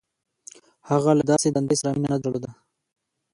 • هغه له داسې دندې سره مینه نهدرلوده.